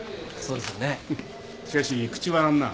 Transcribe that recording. しかし口割らんな。